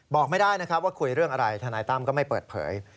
บอกไม่ได้นะครับว่าคุยเรื่องอะไรทนายตั้มก็ไม่เปิดเผย